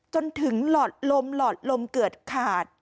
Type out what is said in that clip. จนถึงหลอดลมหลอดลมเกิดขาด